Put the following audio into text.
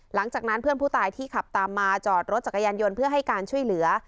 หลังจากนั้นเพื่อนผู้ตายที่ขับตามมาจอดรถจักรยานยนต์เพื่อให้การช่วยเหลือ